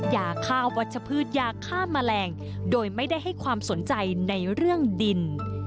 ยาฆ่าวัชพืชยาฆ่าแมลงโดยไม่ได้ให้ความสนใจในเรื่องดิน